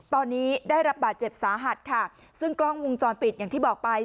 ตอนนี้ได้รับบาดเจ็บสาหัสค่ะซึ่งกล้องวงจรปิดอย่างที่บอกไป